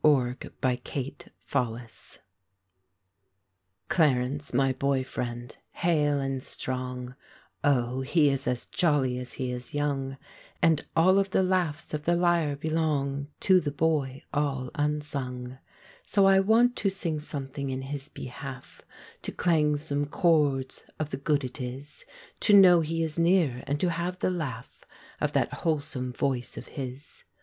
The Boy Friend Clarence, my boy friend, hale and strong, O, he is as jolly as he is young; And all of the laughs of the lyre belong To the boy all unsung: So I want to sing something in his behalf To clang some chords, of the good it is To know he is near, and to have the laugh Of that wholesome voice of his.